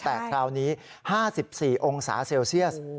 แต่คราวนี้๕๔องศาเซลเซียส